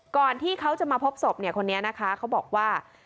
ก่อนที่เขาจะมาพบศพเนี่ยคนนี้นะคะเขาบอกว่า